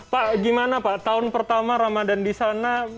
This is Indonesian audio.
pak gimana pak tahun pertama ramadan di sana